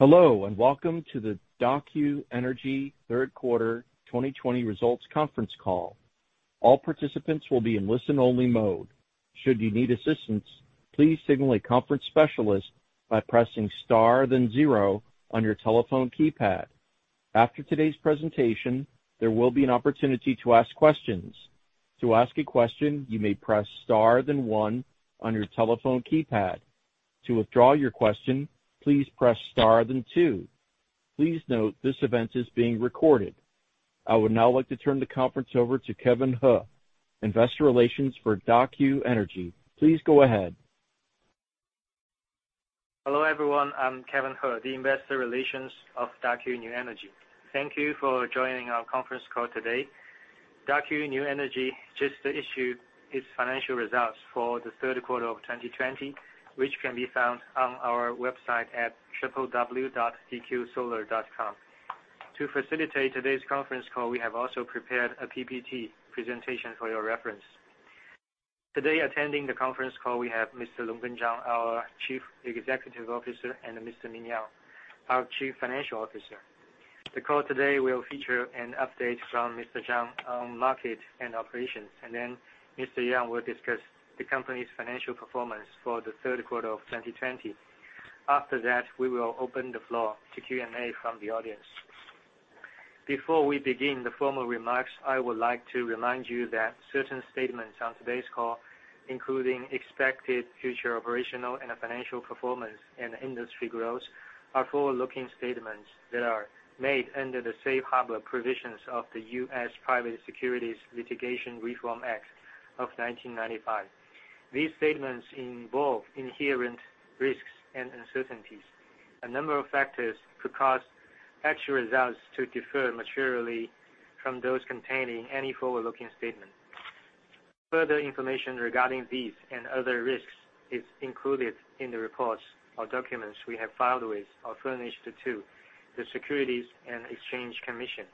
Hello, welcome to the Daqo New Energy third quarter 2020 results conference call. All participants will be in listen-only mode. Should you need assistance, please signal a conference specialist by pressing star then zero on your telephone keypad. After today's presentation, there will be an opportunity to ask questions. To ask a question, you may press star then one on your telephone keypad. To withdraw your question, please press star then two. Please note this event is being recorded. I would now like to turn the conference over to Kevin He, Investor Relations for Daqo New Energy. Please go ahead. Hello, everyone. I'm Kevin He, the investor relations of Daqo New Energy. Thank you for joining our conference call today. Daqo New Energy just issued its financial results for the third quarter of 2020, which can be found on our website at www.dqsolar.com. To facilitate today's conference call, we have also prepared a PPT presentation for your reference. Today attending the conference call we have Mr. Longgen Zhang, our Chief Executive Officer, and Mr. Ming Yang, our Chief Financial Officer. The call today will feature an update from Mr. Zhang on market and operations, and then Mr. Yang will discuss the company's financial performance for the third quarter of 2020. After that, we will open the floor to Q&A from the audience. Before we begin the formal remarks, I would like to remind you that certain statements on today's call, including expected future operational and financial performance and industry growth, are forward-looking statements that are made under the safe harbor provisions of the U.S. Private Securities Litigation Reform Act of 1995. These statements involve inherent risks and uncertainties. A number of factors could cause actual results to differ materially from those containing any forward-looking statement. Further information regarding these and other risks is included in the reports or documents we have filed with or furnished to, the Securities and Exchange Commission.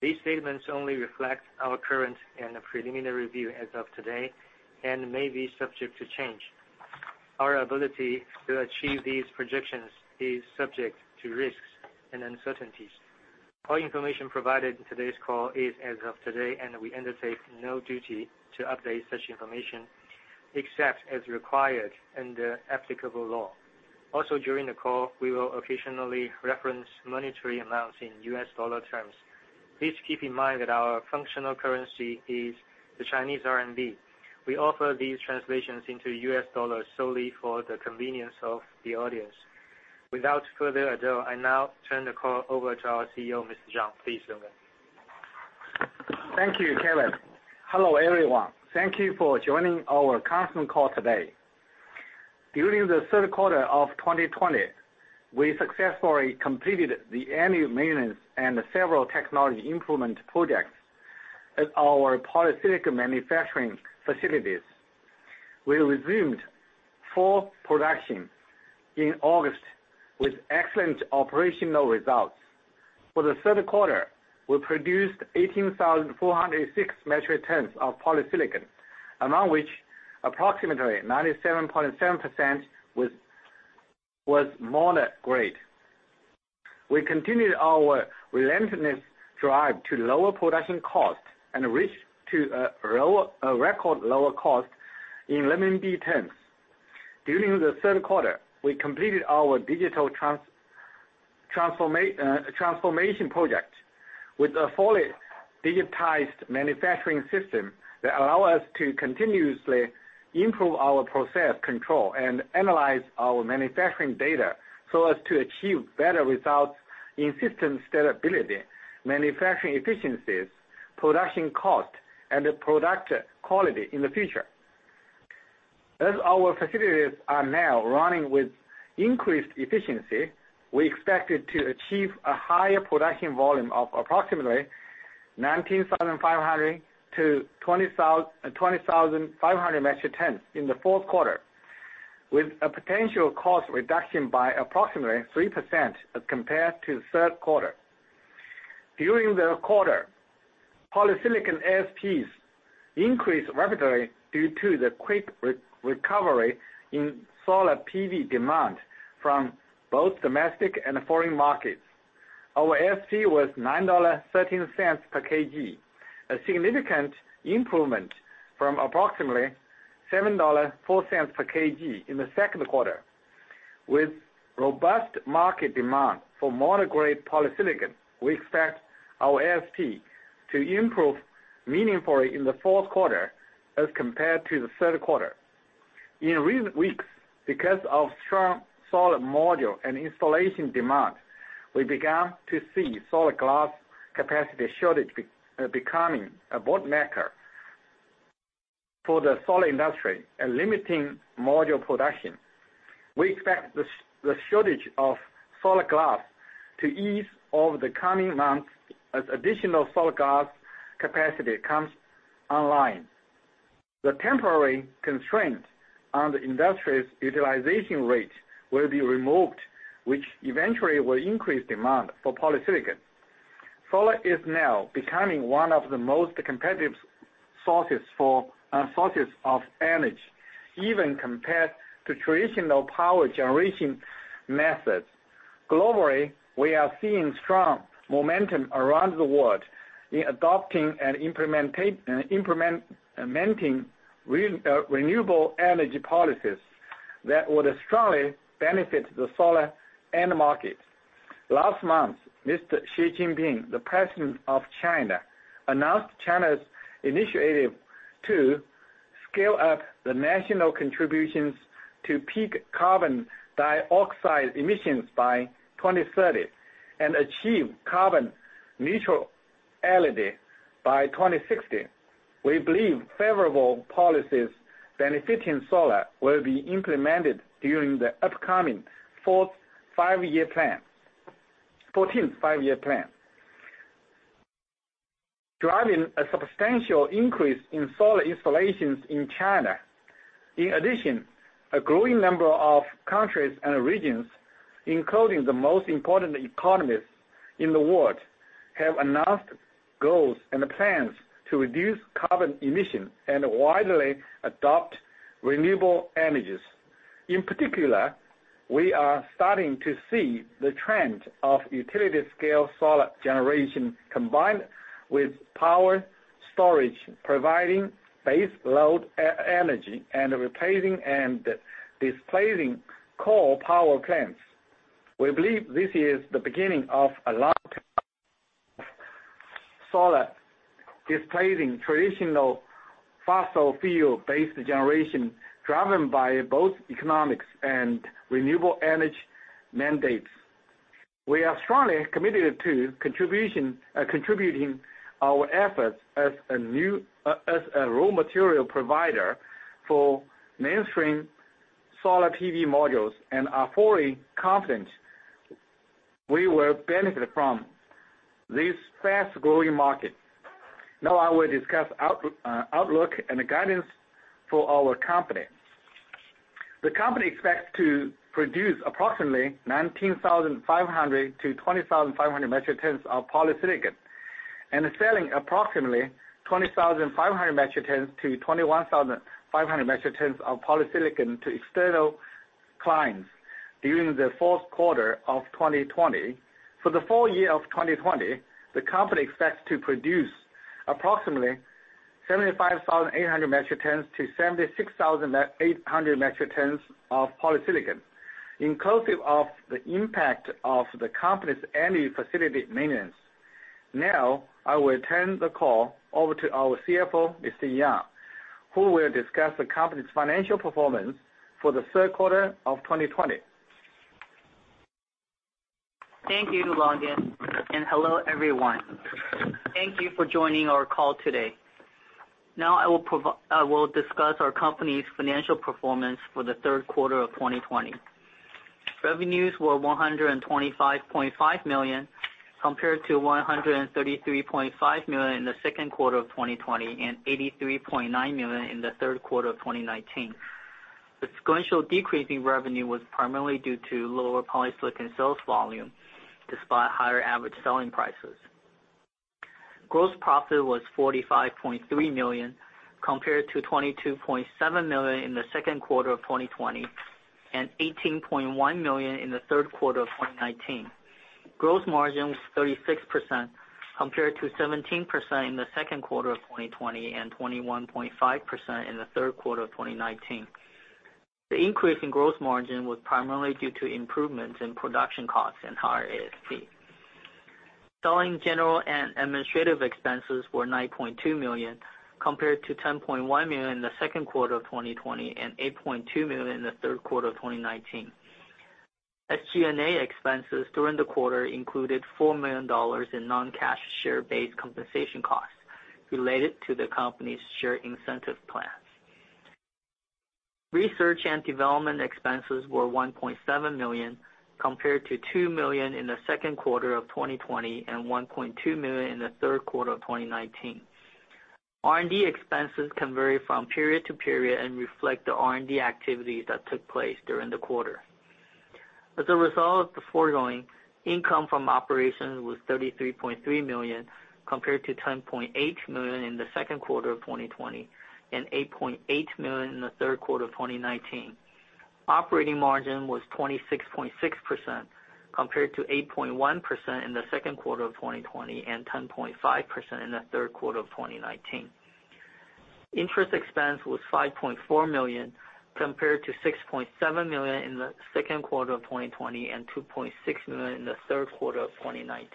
These statements only reflect our current and preliminary view as of today and may be subject to change. Our ability to achieve these projections is subject to risks and uncertainties. All information provided in today's call is as of today, and we undertake no duty to update such information except as required under applicable law. During the call, we will occasionally reference monetary amounts in U.S. dollar terms. Please keep in mind that our functional currency is the Chinese RMB. We offer these translations into U.S. dollars solely for the convenience of the audience. Without further ado, I now turn the call over to our CEO, Mr. Zhang. Please go ahead. Thank you, Kevin. Hello, everyone. Thank you for joining our conference call today. During the third quarter of 2020, we successfully completed the annual maintenance and several technology improvement projects at our polysilicon manufacturing facilities. We resumed full production in August with excellent operational results. For the third quarter, we produced 18,406 metric tons of polysilicon, among which approximately 97.7% was mono-grade. We continued our relentless drive to lower production costs and reached a record lower cost in RMB terms. During the third quarter, we completed our digital transformation project with a fully digitized manufacturing system that allow us to continuously improve our process control and analyze our manufacturing data so as to achieve better results in system stability, manufacturing efficiencies, production cost, and product quality in the future. As our facilities are now running with increased efficiency, we expected to achieve a higher production volume of approximately 19,500 to 20,500 metric tons in the fourth quarter, with a potential cost reduction by approximately 3% as compared to the third quarter. During the quarter, polysilicon ASPs increased rapidly due to the quick re-recovery in solar PV demand from both domestic and foreign markets. Our ASP was $9.13 per kg, a significant improvement from approximately $7.04 per kg in the second quarter. With robust market demand for mono-grade polysilicon, we expect our ASP to improve meaningfully in the fourth quarter as compared to the third quarter. In recent weeks, because of strong solar module and installation demand, we began to see solar glass capacity shortage becoming a bottleneck for the solar industry and limiting module production. We expect the shortage of solar glass to ease over the coming months as additional solar glass capacity comes online. The temporary constraint on the industry's utilization rate will be removed, which eventually will increase demand for polysilicon. Solar is now becoming one of the most competitive sources for sources of energy, even compared to traditional power generation methods. Globally, we are seeing strong momentum around the world in adopting and implementing renewable energy policies that would strongly benefit the solar end market. Last month, Mr. Xi Jinping, the President of China, announced China's initiative to scale up the national contributions to peak carbon dioxide emissions by 2030 and achieve carbon neutrality by 2060. We believe favorable policies benefiting solar will be implemented during the upcoming 14th Five-Year Plan, driving a substantial increase in solar installations in China. A growing number of countries and regions, including the most important economies in the world, have announced goals and plans to reduce carbon emission and widely adopt renewable energies. We are starting to see the trend of utility-scale solar generation combined with power storage, providing base load e-energy and replacing and displacing coal power plants. We believe this is the beginning of a long solar displacing traditional fossil fuel-based generation, driven by both economics and renewable energy mandates. We are strongly committed to contributing our efforts as a raw material provider for mainstream solar PV modules and are fully confident we will benefit from this fast-growing market. Now I will discuss outlook and guidance for our company. The company expects to produce approximately 19,500 to 20,500 metric tons of polysilicon and selling approximately 20,500 metric tons to 21,500 metric tons of polysilicon to external clients during the fourth quarter of 2020. For the full year of 2020, the company expects to produce approximately 75,800 metric tons to 76,800 metric tons of polysilicon, inclusive of the impact of the company's annual facility maintenance. Now, I will turn the call over to our CFO, Mr. Yang, who will discuss the company's financial performance for the third quarter of 2020. Thank you, Longgen, and hello, everyone. Thank you for joining our call today. Now I will discuss our company's financial performance for the third quarter of 2020. Revenues were 125.5 million compared to 133.5 million in the second quarter of 2020 and 83.9 million in the third quarter of 2019. The sequential decrease in revenue was primarily due to lower polysilicon sales volume, despite higher average selling prices. Gross profit was 45.3 million compared to 22.7 million in the second quarter of 2020 and 18.1 million in the third quarter of 2019. Gross margin was 36% compared to 17% in the second quarter of 2020 and 21.5% in the third quarter of 2019. The increase in gross margin was primarily due to improvements in production costs and higher ASP. Selling, general, and administrative expenses were 9.2 million, compared to 10.1 million in the second quarter of 2020 and 8.2 million in the third quarter of 2019. SG&A expenses during the quarter included $4 million in non-cash share-based compensation costs related to the company's share incentive plans. Research and development expenses were 1.7 million, compared to 2 million in the second quarter of 2020 and 1.2 million in the third quarter of 2019. R&D expenses can vary from period to period and reflect the R&D activities that took place during the quarter. As a result of the foregoing, income from operations was 33.3 million, compared to 10.8 million in the second quarter of 2020 and 8.8 million in the third quarter of 2019. Operating margin was 26.6%, compared to 8.1% in the second quarter of 2020 and 10.5% in the third quarter of 2019. Interest expense was 5.4 million, compared to 6.7 million in the second quarter of 2020 and 2.6 million in the third quarter of 2019.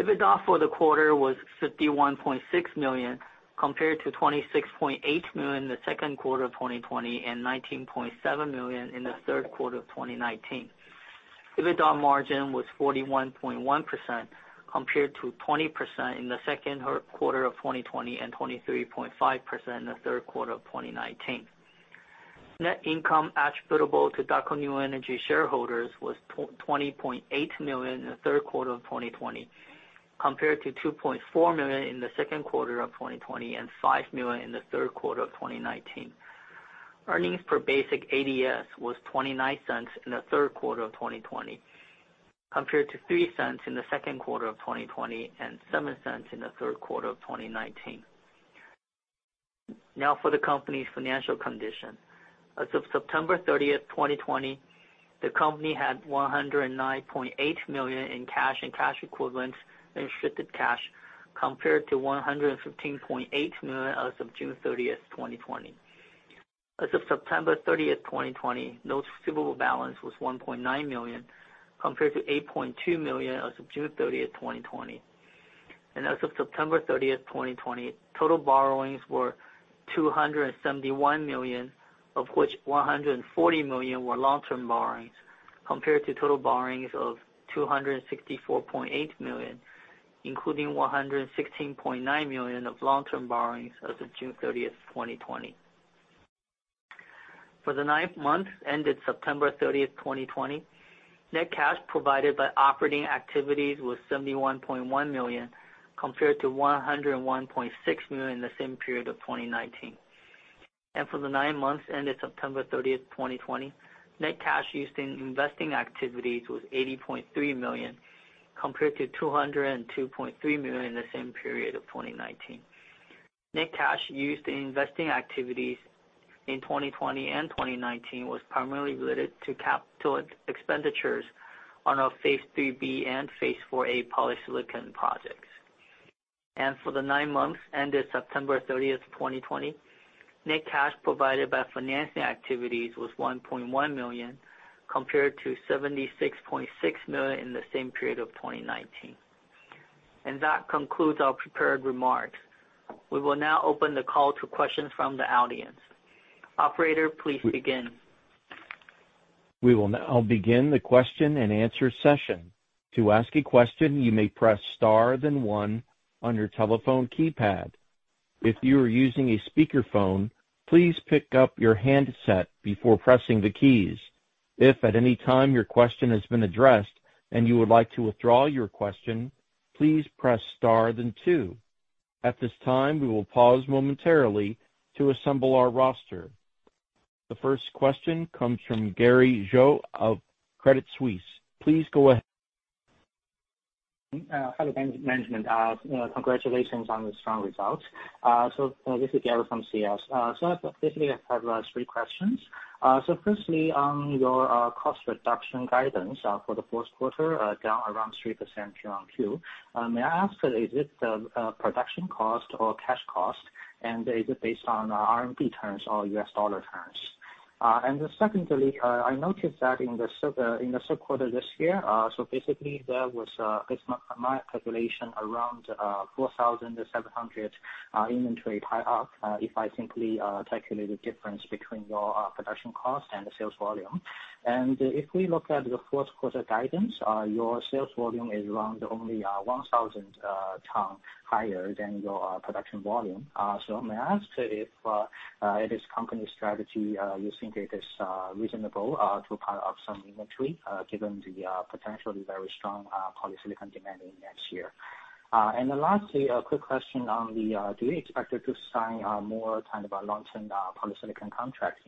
EBITDA for the quarter was 51.6 million, compared to 26.8 million in the second quarter of 2020 and 19.7 million in the third quarter of 2019. EBITDA margin was 41.1% compared to 20% in the second quarter of 2020 and 23.5% in the third quarter of 2019. Net income attributable to Daqo New Energy shareholders was 20.8 million in the third quarter of 2020, compared to 2.4 million in the second quarter of 2020 and 5 million in the third quarter of 2019. Earnings per basic ADS was $0.29 in the third quarter of 2020, compared to $0.03 in the second quarter of 2020 and $0.07 in the third quarter of 2019. Now for the company's financial condition. As of September 30, 2020, the company had 109.8 million in cash and cash equivalents and restricted cash compared to 115.8 million as of June 30, 2020. As of September 30th, 2020, notes receivable balance was 1.9 million compared to 8.2 million as of June 30th, 2020. As of September 30th, 2020, total borrowings were 271 million, of which 140 million were long-term borrowings, compared to total borrowings of 264.8 million, including 116.9 million of long-term borrowings as of June 30th, 2020. For the nine months ended September 30th, 2020, net cash provided by operating activities was 71.1 million compared to 101.6 million in the same period of 2019. For the nine months ended September 30th, 2020, net cash used in investing activities was 80.3 million compared to 202.3 million in the same period of 2019. Net cash used in investing activities in 2020 and 2019 was primarily related to capital expenditures on our Phase 3B and Phase 4A polysilicon projects. For the 9 months ended September 30th, 2020, net cash provided by financing activities was 1.1 million compared to 76.6 million in the same period of 2019. That concludes our prepared remarks. We will now open the call to questions from the audience. Operator, please begin. We will now begin the question-and-answer session. To ask a question, you may press star then one on your telephone keypad. If you are using a speakerphone, please pick up your handset before pressing the keys. If at any time your question has been addressed and you would like to withdraw your question, please press star then two. At this time, we will pause momentarily to assemble our roster. The first question comes from Gary Zhou of Credit Suisse. Please go ahead. Hello, management. Congratulations on the strong results. This is Gary Zhou from Credit Suisse. Basically, I have three questions. Firstly, on your cost reduction guidance, for the fourth quarter, down around 3% Q-on-Q. May I ask, is it production cost or cash cost? Is it based on RMB terms or USD terms? Secondly, I noticed that in the third quarter this year, basically there was, based on my calculation, around 4,700 inventory tie up, if I simply calculate the difference between your production cost and the sales volume. If we look at the fourth quarter guidance, your sales volume is around only 1,000 tons higher than your production volume. May I ask if it is company strategy, you think it is reasonable to tie up some inventory, given the potentially very strong polysilicon demand in next year? Lastly, a quick question on the, do you expect to sign more kind of a long-term polysilicon contract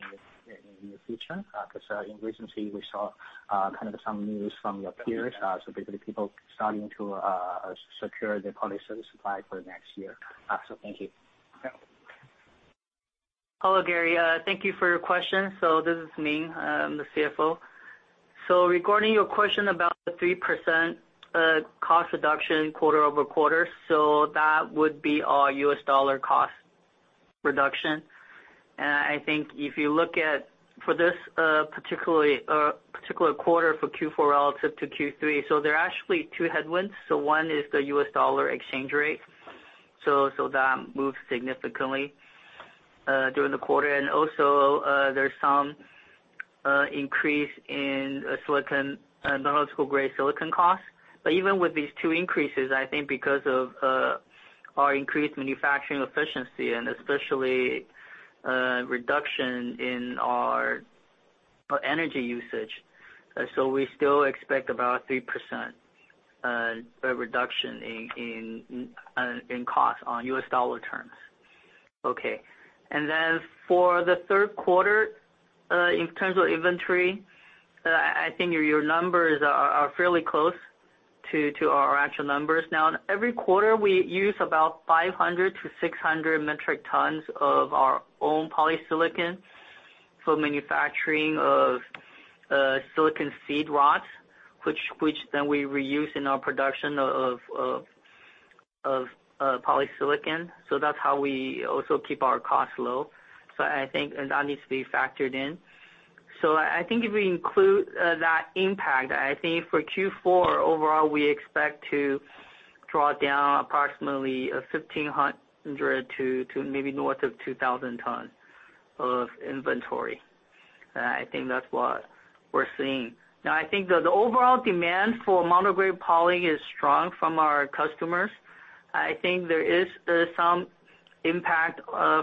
in the future? 'Cause in recently we saw kind of some news from your peers. Basically people starting to secure their polysilicon supply for next year. Thank you. Hello, Gary. Thank you for your question. This is Ming, I'm the CFO. Regarding your question about the 3% cost reduction quarter-over-quarter, that would be a U.S. dollar cost reduction. I think if you look at, for this particular quarter for Q4 relative to Q3, there are actually two headwinds. One is the U.S. dollar exchange rate. That moved significantly during the quarter. Also, there's some increase in silicon metallurgical grade silicon cost. Even with these two increases, I think because of our increased manufacturing efficiency and especially reduction in our energy usage, we still expect about 3% reduction in cost on U.S. dollar terms. Okay. For the 3rd quarter, in terms of inventory, I think your numbers are fairly close to our actual numbers. In every quarter, we use about 500-600 metric tons of our own polysilicon for manufacturing of silicon seed rods, which then we reuse in our production of polysilicon. That's how we also keep our costs low. I think that needs to be factored in. I think if we include that impact, I think for Q4 overall, we expect to draw down approximately 1,500 to maybe north of 2,000 tons of inventory. I think that's what we're seeing. I think the overall demand for mono-grade poly is strong from our customers. I think there is some impact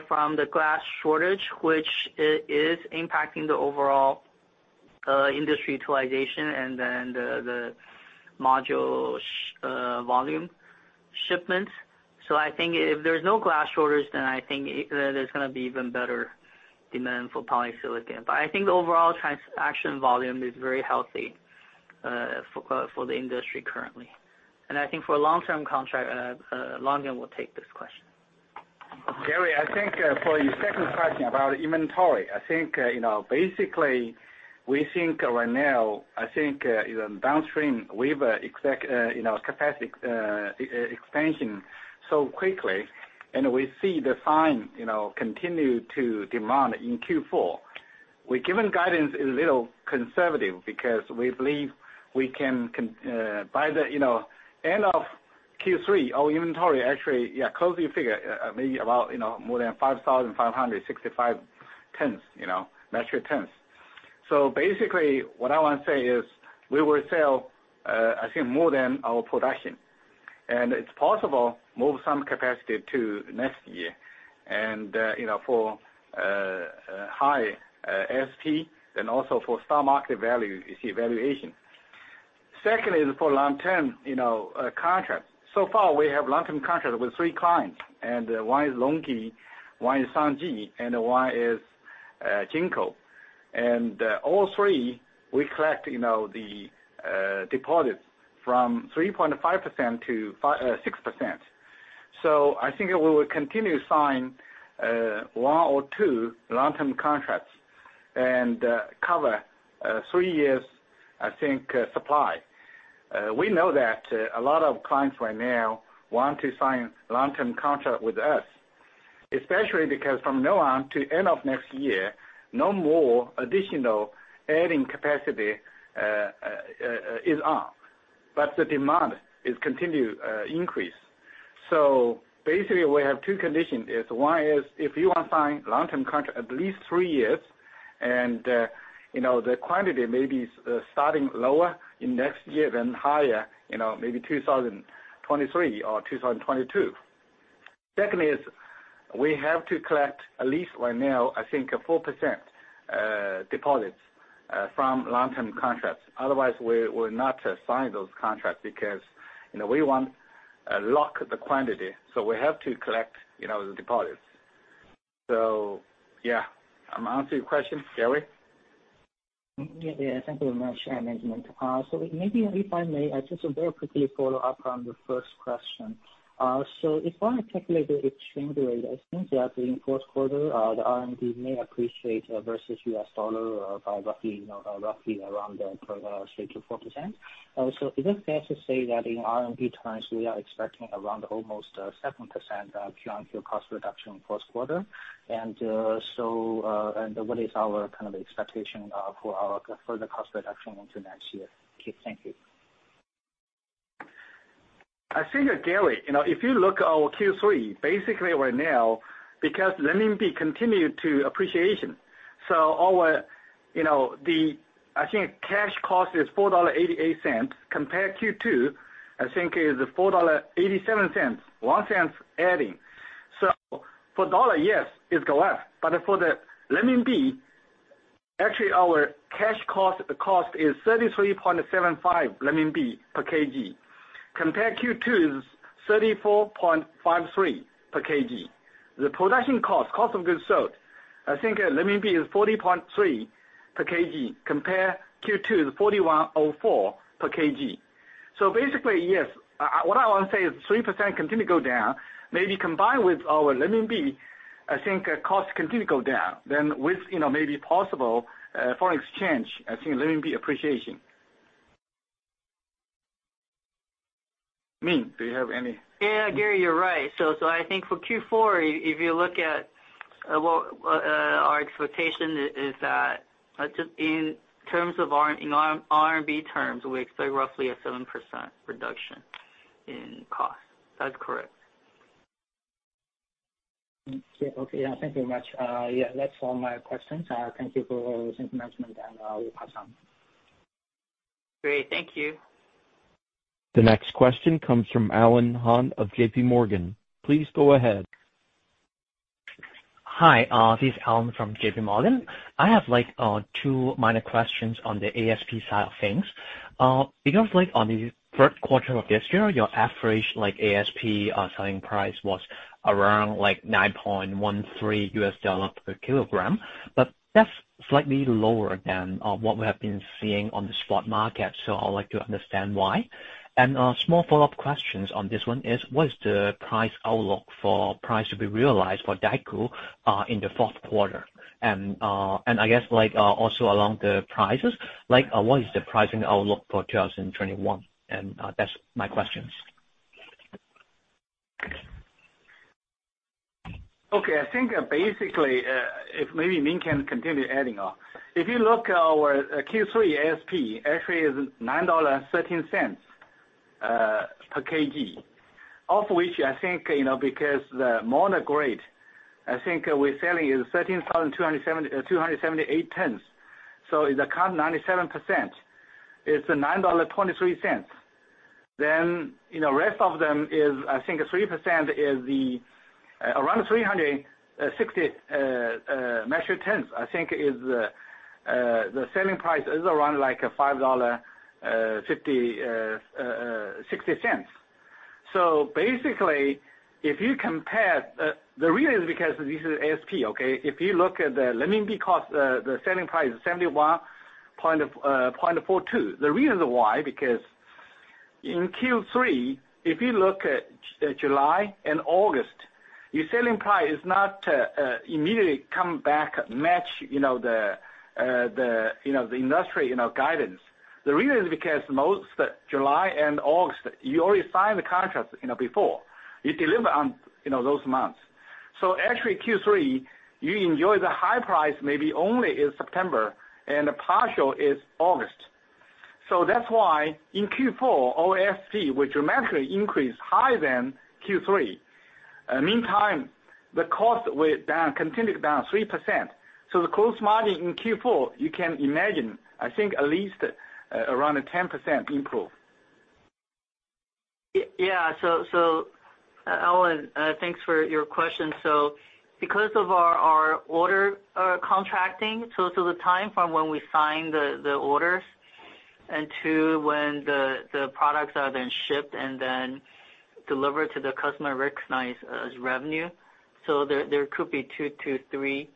from the glass shortage, which is impacting the overall industry utilization and then the module volume shipments. I think if there's no glass orders, then I think it there's gonna be even better demand for polysilicon. I think the overall transaction volume is very healthy for the industry currently. I think for a long-term contract, Longgen will take this question. Gary, I think, for your second question about inventory, I think, you know, basically we think right now, I think, even downstream we've, exact, you know, capacity, expansion so quickly and we see the sign, you know, continue to demand in Q4. We've given guidance a little conservative because we believe we can by the, you know, end of Q3, our inventory actually, yeah, closely figure, maybe about, you know, more than 5,565 tons, you know, metric tons. Basically what I wanna say is we will sell, I think more than our production. It's possible move some capacity to next year. You know, for high ASP and also for stock market value is evaluation. Secondly, for long-term, you know, contract. Far we have long-term contract with three clients, and one is LONGi, one is Shangji, and one is Jinko. All three we collect, you know, the deposits from 3.5% to 6%. I think we will continue sign one or two long-term contracts and cover three years, I think, supply. We know that a lot of clients right now want to sign long-term contract with us, especially because from now on to end of next year, no more additional adding capacity is on, but the demand is continue increase. Basically, we have two conditions. One is if you want to sign long-term contract at least three years, and you know, the quantity may be starting lower in next year than higher, you know, maybe 2023 or 2022. Secondly, we have to collect at least right now, I think a 4% deposits from long-term contracts. Otherwise, we're not signing those contracts because, you know, we want to lock the quantity, so we have to collect, you know, the deposits. Yeah. Answer your question, Gary? Yeah. Thank you very much management. Maybe if I may, I just very quickly follow up on the first question. If I wanna calculate the exchange rate, I think that in the fourth quarter, the RMB may appreciate versus U.S. dollar or by roughly, you know, roughly around the 3% to 4%. Is it fair to say that in RMB terms, we are expecting around almost 7%, Q-on-Q cost reduction in fourth quarter? What is our kind of expectation for our further cost reduction into next year? Thank you. I figure, Gary, you know, if you look at our Q3, basically right now, because renminbi continued to appreciation, our, you know, I think cash cost is $4.88. Compare Q2, I think it is $4.87, $0.01 adding. For dollar, yes, it go up. But for the renminbi, actually our cash cost is 33.75 renminbi per kg. Compare Q2 is 34.53 per kg. The production cost of goods sold, I think renminbi is 40.3 per kg. Compare Q2 is 41.04 per kg. Basically, yes, what I want to say is 3% continue to go down, maybe combined with our renminbi, I think cost continue to go down. With, you know, maybe possible, foreign exchange, I think renminbi appreciation. Ming, do you have any- Yeah, Gary, you're right. I think for Q4, if you look at, our expectation is that just in terms of, in RMB terms, we expect roughly a 7% reduction in cost. That's correct. Okay. Yeah. Thank you much. Yeah, that's all my questions. Thank you for listening management and, we'll pass on. Great. Thank you. The next question comes from Alan Hon of JPMorgan. Please go ahead. Hi, this is Alan from JPMorgan. I have, like, two minor questions on the ASP side of things. Because like on the third quarter of this year, your average like ASP, selling price was around like $9.13 per kilogram, but that's slightly lower than what we have been seeing on the spot market. I'd like to understand why. A small follow-up questions on this one is what is the price outlook for price to be realized for Daqo, in the fourth quarter? I guess like, also along the prices, like what is the pricing outlook for 2021? That's my questions. Okay. I think basically, if maybe Ming can continue adding on. If you look at our Q3 ASP actually is $9.13 per kg. Of which I think, you know, because the mono-grade, I think we're selling is 13,278 tons. So it account 97%. It's $9.23. You know, rest of them is I think 3% is the around 360 metric tons, I think is the selling price is around like $5.60. Basically, if you compare, the reason is because this is ASP, okay? If you look at the renminbi cost, the selling price is 71.42. The reason why, because in Q3, if you look at July and August, your selling price is not immediately come back match, you know, the, you know, the industry, you know, guidance. The reason is because most July and August, you already signed the contract, you know, before you deliver on, you know, those months. Actually Q3, you enjoy the high price maybe only in September, and a partial is August. That's why in Q4, our ASP will dramatically increase higher than Q3. Meantime, the cost went down, continued down 3%. The gross margin in Q4, you can imagine, I think at least, around a 10% improve. Yeah. Alan, thanks for your question. Because of our order contracting, so the time from when we sign the orders and to when the products are then shipped and then delivered to the customer recognize as revenue. There could be 2-3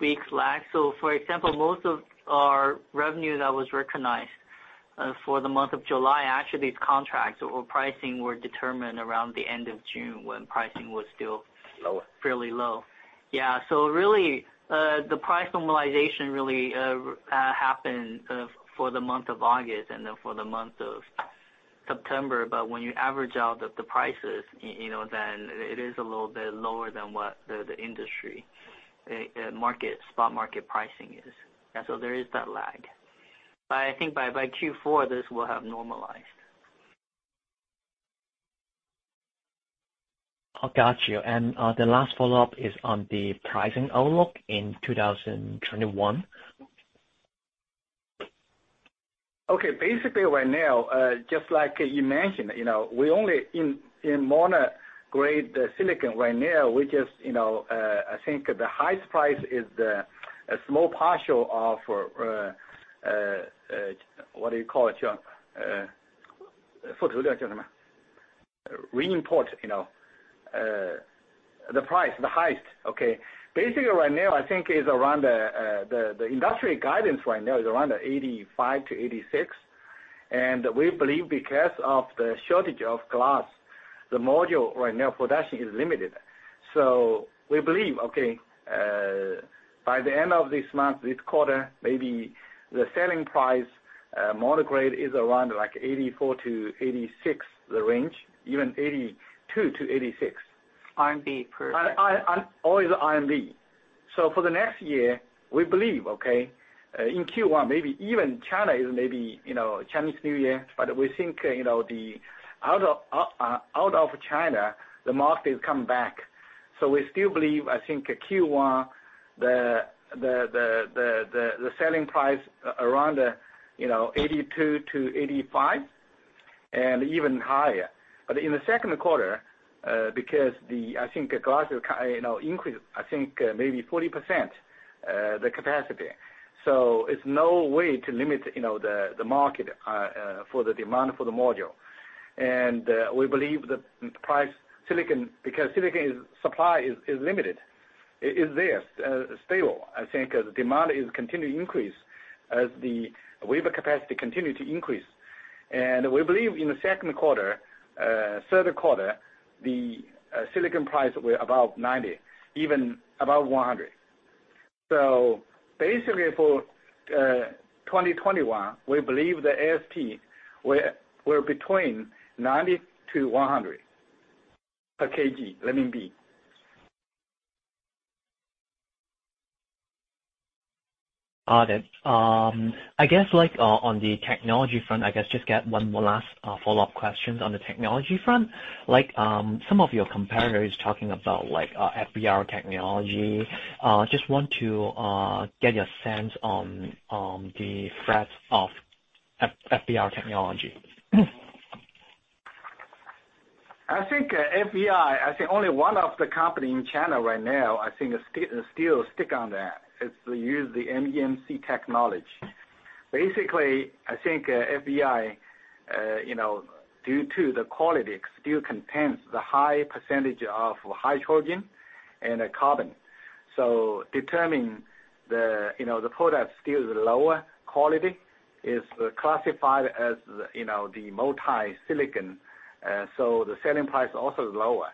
weeks lag. For example, most of our revenue that was recognized for the month of July, actually these contracts or pricing were determined around the end of June when pricing was still. Lower. Fairly low. Yeah. Really, the price normalization really happened for the month of August and then for the month of September. When you average out the prices, you know, then it is a little bit lower than what the industry market, spot market pricing is. There is that lag. I think by Q4, this will have normalized. I got you. The last follow-up is on the pricing outlook in 2021. Basically right now, just like you mentioned, you know, we only in mono-grade silicon right now, we just, you know, I think the highest price is a small partial of what do you call it, John? Re-import, you know. The price, the highest. Basically right now, I think is around the industry guidance right now is around 85-86. We believe because of the shortage of glass, the module right now production is limited. We believe by the end of this month, this quarter, maybe the selling price, mono-grade is around like 84-86, the range, even 82-86. RMB per-. All is RMB. For the next year, we believe, okay, in Q1, maybe even China is maybe, you know, Chinese New Year. We think, you know, the out of China, the market is coming back. We still believe, I think Q1, the selling price around, you know, 82 -85 and even higher. In the second quarter, because the, I think glass, you know, increased, I think maybe 40%, the capacity. It's no way to limit, you know, the market for the demand for the module. We believe the polysilicon, because polysilicon supply is limited. It is there, stable. I think the demand is continuing to increase as the wafer capacity continue to increase. We believe in the second quarter, third quarter, the silicon price will above 90, even above 100. Basically for 2021, we believe the ASP were between 90-100 per kg. Got it. I guess like on the technology front, I guess just get one more last follow-up questions on the technology front. Some of your competitors talking about like FBR technology. Just want to get your sense on the threat of FBR technology. I think FBR, only one of the company in China right now, still stick on that. It's they use the MEMC technology. Basically, I think FBR, you know, due to the quality still contains the high percentage of hydrogen and carbon. determining the, you know, the product still is lower quality, is classified as, you know, the polysilicon. the selling price also is lower.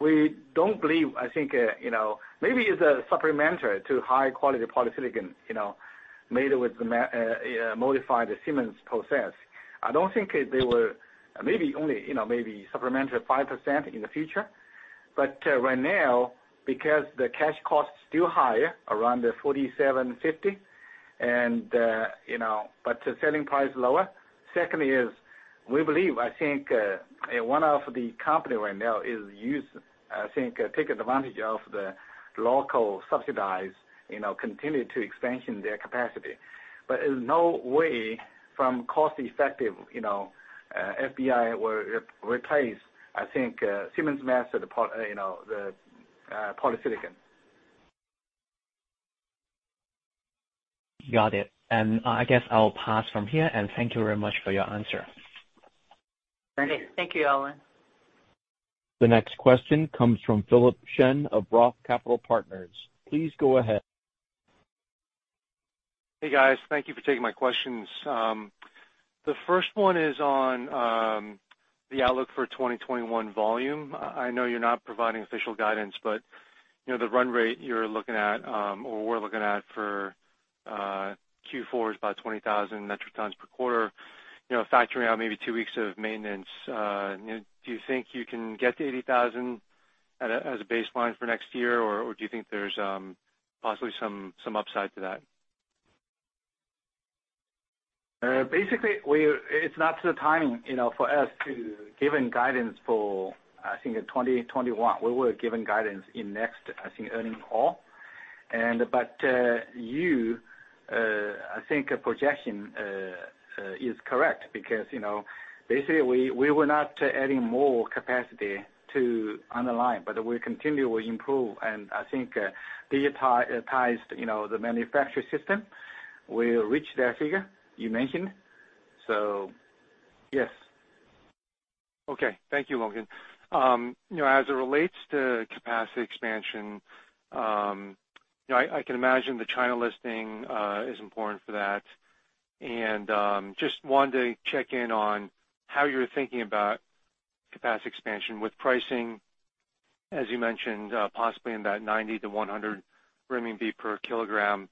we don't believe, I think, you know, maybe it's a supplementary to high-quality polysilicon, you know, made with the modified the Siemens process. I don't think they will Maybe only, you know, maybe supplementary 5% in the future. right now, because the cash cost is still higher, around the 47.50 and, you know, but the selling price is lower. Secondly is we believe, I think, one of the company right now is use, I think, take advantage of the local subsidized, you know, continue to expansion their capacity. There's no way from cost effective, you know, FBR will replace, I think, Siemens process, the polysilicon. Got it. I guess I'll pass from here, and thank you very much for your answer. Thank you. Thank you, Alan. The next question comes from Philip Shen of Roth Capital Partners. Please go ahead. Hey, guys. Thank you for taking my questions. The first one is on the outlook for 2021 volume. I know you're not providing official guidance, but, you know, the run rate you're looking at, or we're looking at for Q4 is about 20,000 metric tons per quarter. You know, factoring out maybe two weeks of maintenance, you know, do you think you can get to 80,000 as a baseline for next year? Do you think there's possibly some upside to that? Basically, it's not the time, you know, for us to giving guidance for, I think, 2021. We will giving guidance in next, I think, earning call. You, I think projection is correct because, you know, basically we were not adding more capacity to our line, but we continue, we improve, and I think, digitized, you know, the manufacturing system will reach that figure you mentioned. Yes. Okay. Thank you, Longgen Zhang. You know, as it relates to capacity expansion, you know, I can imagine the China listing is important for that. Just wanted to check in on how you're thinking about capacity expansion with pricing, as you mentioned, possibly in that 90-100 RMB per kilogram.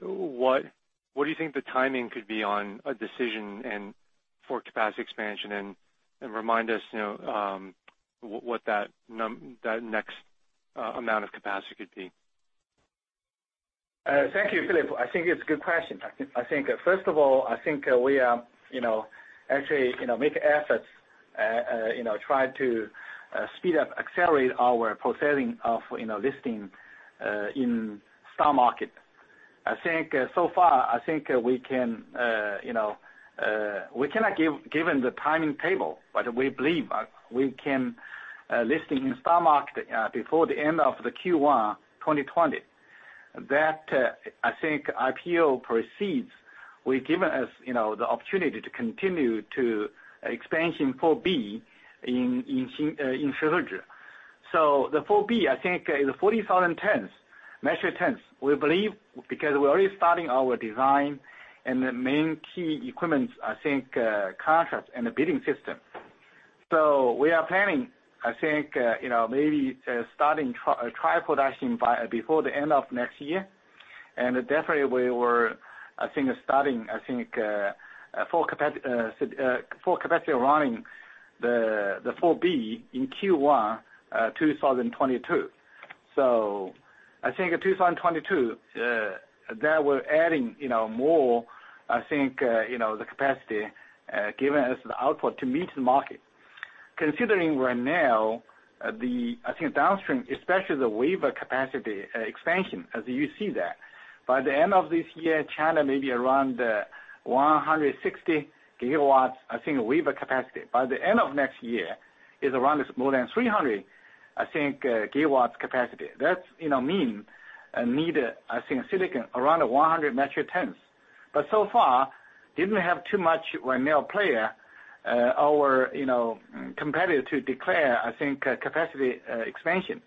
What do you think the timing could be on a decision and for capacity expansion? Remind us, you know, what that next amount of capacity could be. Thank you, Philip. I think it's a good question. I think, first of all, I think, we are, you know, actually, you know, make efforts, you know, try to speed up, accelerate our processing of, you know, listing in stock market. I think, so far, I think, we can, you know, we cannot give, given the timetable, but we believe, we can listing in stock market before the end of the Q1 2020. I think IPO proceeds will given us, you know, the opportunity to continue to expansion Phase 4B in Xinjiang. The Phase 4B, I think, is 40,000 tons, metric tons. We believe because we're already starting our design and the main key equipments, I think, contracts and the bidding system. We are planning, I think, you know, maybe to starting trial production by, before the end of next year. Definitely we were, I think, starting, I think, full capacity running the Phase 4B in Q1 2022. I think 2022, there we're adding, you know, more, I think, you know, the capacity, given as the output to meet the market. Considering Renewable, the, I think downstream, especially the wafer capacity, expansion as you see that. By the end of this year, China may be around 160 gigawatts, I think, wafer capacity. By the end of next year is around more than 300, I think, gigawatts capacity. That's, you know, mean, need, I think, silicon around 100 metric tons. So far didn't have too much renewable player, or, you know, competitor to declare, I think, capacity expansion.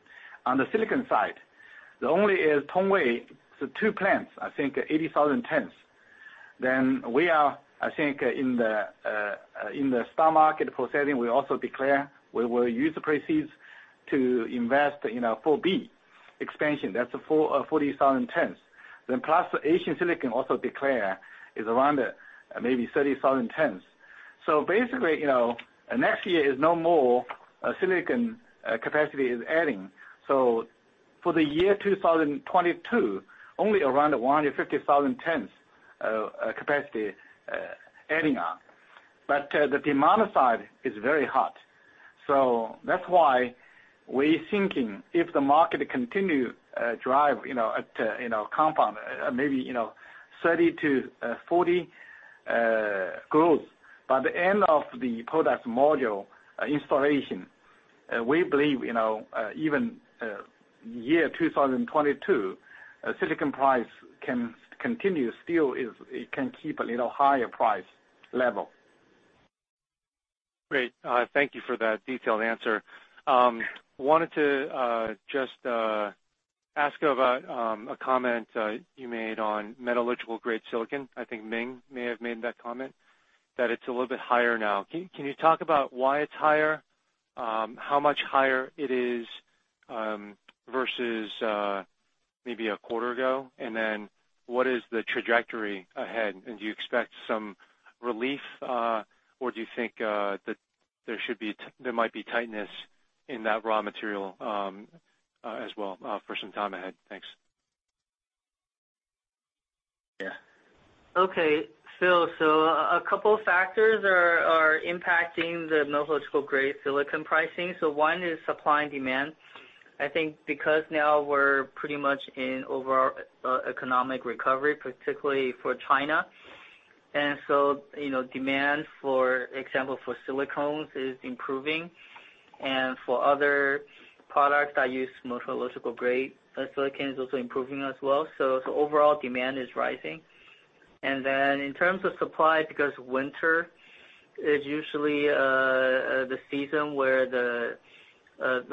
On the silicon side, the only is Tongwei, two plants, I think 80,000 tons. We are, I think, in the stock market processing, we also declare we will use the proceeds to invest in our 4B expansion. That's 40,000 tons. Plus Asia Silicon also declare is around maybe 30,000 tons. Basically, you know, next year is no more silicon capacity is adding. For the year 2022, only around 150,000 tons capacity adding on. The demand side is very hot. That's why we're thinking if the market continue, drive, you know, at a, you know, compound, maybe, you know, 30% to 40% growth by the end of the product module installation, we believe, you know, even, year 2022, polysilicon price can continue, it can keep a little higher price level. Great. Thank you for that detailed answer. Wanted to just ask about a comment you made on metallurgical grade silicon. I think Ming may have made that comment, that it's a little bit higher now. Can you talk about why it's higher? How much higher it is versus maybe a quarter ago? What is the trajectory ahead? Do you expect some relief or do you think that there might be tightness in that raw material as well for some time ahead? Thanks. Yeah. Okay, Philip Shen, a couple factors are impacting the metallurgical grade silicon pricing. One is supply and demand. I think because now we're pretty much in overall economic recovery, particularly for China. You know, demand for example, for silicones is improving and for other products that use metallurgical grade silicones also improving as well. Overall demand is rising. In terms of supply, because winter is usually the season where the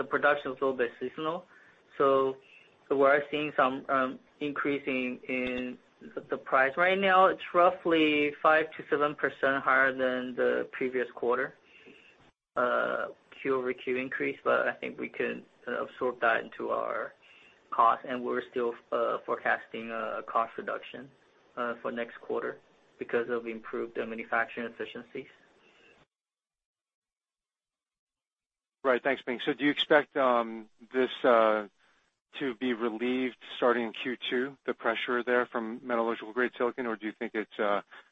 production is a little bit seasonal. We are seeing some increasing in the price. Right now, it's roughly 5%-7% higher than the previous quarter-over-quarter increase. I think we can absorb that into our cost, and we're still forecasting a cost reduction for next quarter because of improved manufacturing efficiencies. Right. Thanks, Ming. Do you expect this to be relieved starting in Q2, the pressure there from metallurgical grade silicon, or do you think it's,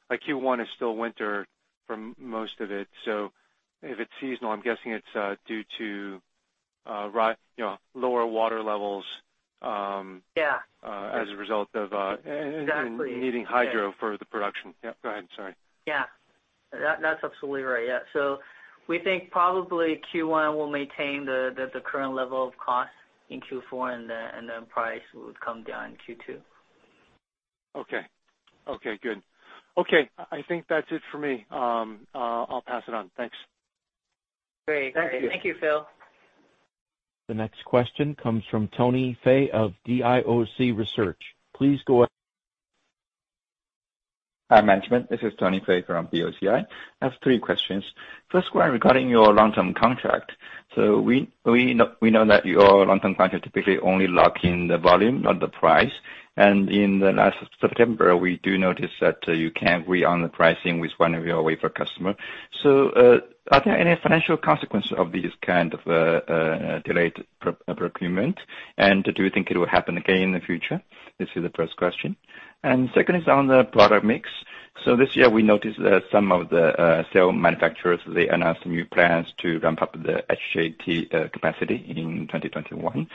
like, Q1 is still winter for most of it, so if it's seasonal, I'm guessing it's due to, you know, lower water levels? Yeah as a result of, Exactly. Needing hydro for the production. Yeah, go ahead. Sorry. That's absolutely right. Yeah. We think probably Q1 will maintain the current level of cost in Q4, and then price would come down in Q2. Okay. Okay, good. Okay, I think that's it for me. I'll pass it on. Thanks. Great. Thank you. Thank you, Phil. The next question comes from Tony Fei of BOCI Research Hi, management. This is Tony Fei from BOCI. I have three questions. First one regarding your long-term contract. We know that your long-term contract typically only lock in the volume, not the price. In the last September, we do notice that you can't re on the pricing with one of your wafer customer. Are there any financial consequences of this kind of delayed procurement? Do you think it will happen again in the future? This is the first question. Second is on the product mix. This year we noticed that some of the cell manufacturers, they announced new plans to ramp up the HJT capacity in 2021.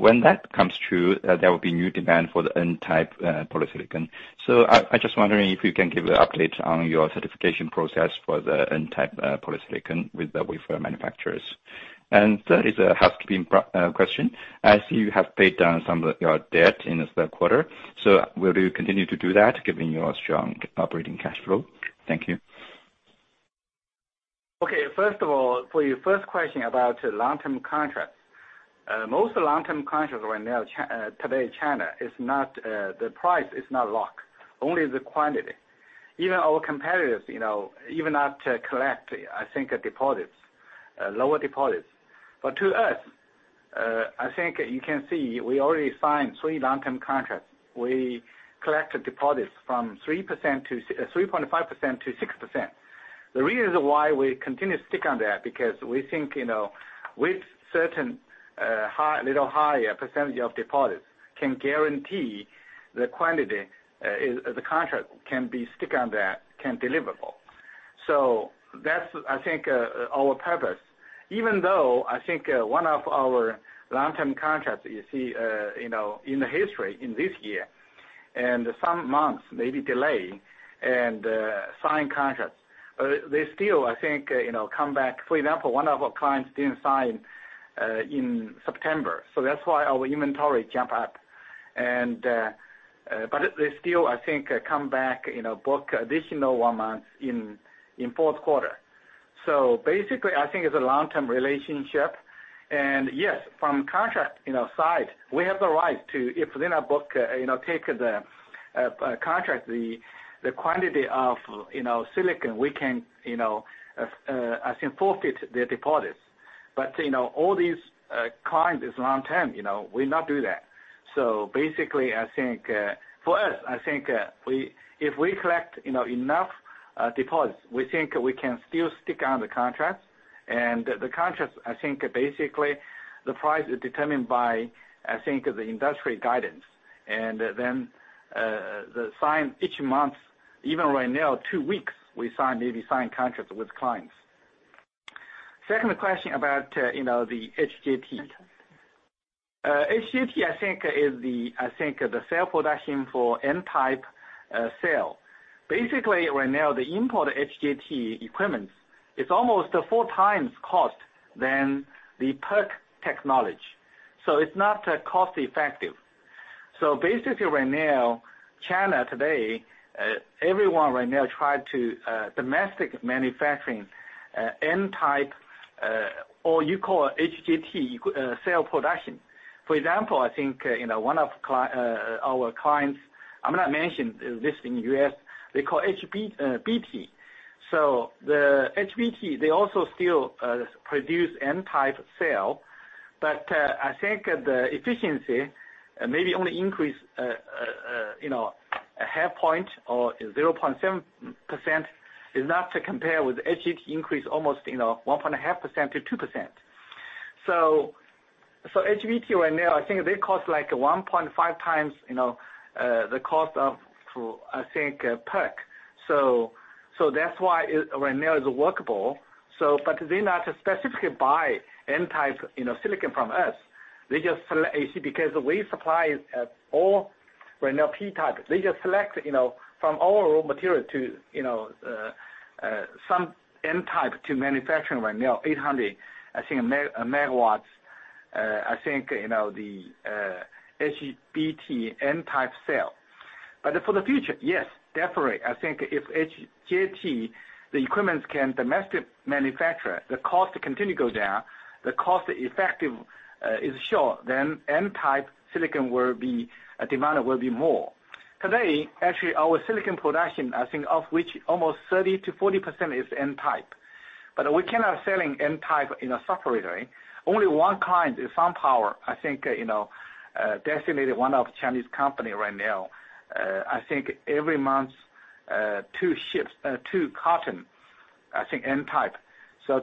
When that comes true, there will be new demand for the N-type polysilicon. I just wondering if you can give an update on your certification process for the N-type polysilicon with the wafer manufacturers. Third is a housekeeping question. I see you have paid down some of your debt in this third quarter. Will you continue to do that given your strong operating cash flow? Thank you. Okay. First of all, for your first question about long-term contracts. Most long-term contracts right now today China is not, the price is not locked, only the quantity. Even our competitors, you know, even have to collect, I think, deposits, lower deposits. To us, I think you can see we already signed three long-term contracts. We collect deposits from 3% to 3.5% to 6%. The reason why we continue to stick on that, because we think, you know, with certain, high, little higher % of deposits can guarantee the quantity is, the contract can be stick on that, can deliverable. That's I think, our purpose. Even though I think, one of our long-term contracts you see, you know, in the history in this year and some months may be delayed and sign contracts, they still, I think, you know, come back. For example, one of our clients didn't sign in September, so that's why our inventory jump up. They still, I think, come back, you know, book additional one month in fourth quarter. Basically, I think it's a long-term relationship. Yes, from contract, you know, side, we have the right to, if they not book, you know, take the contract, the quantity of, you know, silicon, we can, you know, I think forfeit their deposits. You know, all these clients is long-term, you know, we not do that. Basically, I think, for us, I think, we, if we collect, you know, enough deposits, we think we can still stick on the contracts. The contracts, I think basically the price is determined by, I think, the industry guidance. The sign each month, even right now, two weeks, we sign, maybe sign contracts with clients. Second question about, you know, the HJT. HJT, I think, is the, I think the cell production for N-type cell. Basically, right now the import HJT equipments is almost four times cost than the PERC technology, so it's not cost-effective. Basically right now, China today, everyone right now try to domestic manufacturing N-type, or you call HJT, cell production. For example, I think, you know, one of our clients, I'm not mentioning this in U.S., they call HBT. The HBT, they also still produce N-type cell. I think the efficiency maybe only increase, you know, 0.5 point or 0.7% is not to compare with HJT increase almost, you know, 1.5%-2%. HJT right now, I think they cost like 1.5 times, you know, the cost of, I think, PERC. That's why right now is workable. They not specifically buy N-type, you know, silicon from us. They just select [AC] because we supply, all right now P-type. They just select, you know, from all raw material to, you know, some N-type to manufacturing right now, 800, I think, megawatts, I think, you know, the HBT N-type cell. For the future, yes, definitely. I think if HJT, the equipments can domestic manufacture, the cost to continue to go down, the cost effective is sure, then N-type silicon will be, demand will be more. Today, actually our silicon production, I think of which almost 30% to 40% is N-type, but we cannot selling N-type in a separately. Only one client is SunPower, I think, you know, designated one of Chinese company right now. I think every month, two ships, two carton, I think N-type.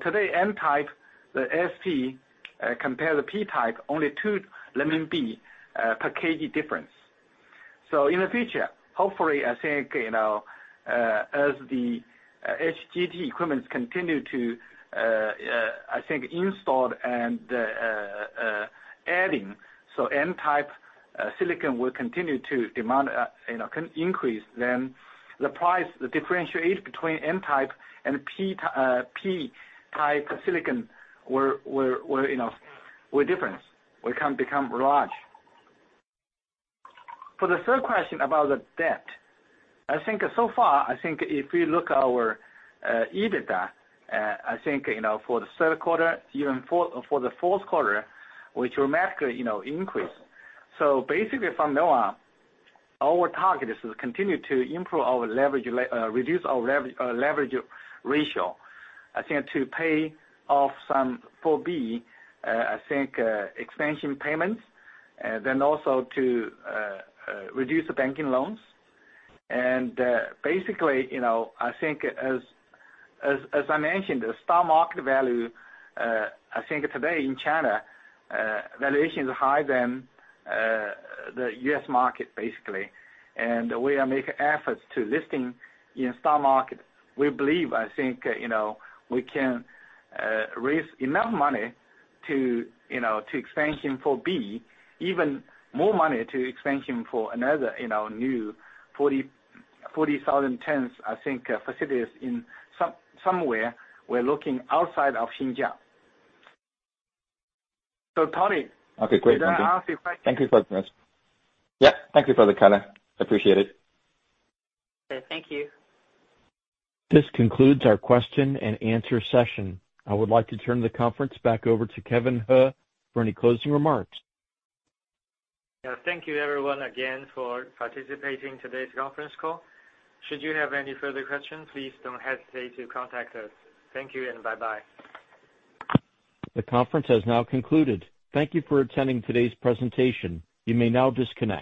Today, N-type, the ASP, compare the P-type, only 2 per kg difference. In the future, hopefully, I think, you know, as the HJT equipments continue to, I think installed and adding, N-type silicon will continue to demand, you know, can increase then the price, the differentiate between N-type and P-type silicon where, you know, where difference, where it can become large. For the third question about the debt, I think so far, I think if you look our EBITDA, I think, you know, for the third quarter, even for the fourth quarter, which dramatically, you know, increased. Basically from now on, our target is to continue to reduce our leverage ratio. I think to pay off some Phase 4B expansion payments, then also to reduce the banking loans. Basically, you know, I think as I mentioned, the stock market value, I think today in China, valuation is higher than the U.S. market, basically. We are making efforts to listing in stock market. We believe, I think, you know, we can raise enough money to, you know, to expansion for Phase 4B, even more money to expansion for another, you know, new 40,000 tons, I think, facilities somewhere. We're looking outside of Xinjiang. So Tony- Okay, great. Did I answer your question? Thank you for this. Yeah. Thank you for the comment. Appreciate it. Okay. Thank you. This concludes our question and answer session. I would like to turn the conference back over to Kevin He for any closing remarks. Yeah. Thank you everyone again for participating in today's conference call. Should you have any further questions, please don't hesitate to contact us. Thank you and bye-bye. The conference has now concluded. Thank you for attending today's presentation. You may now disconnect.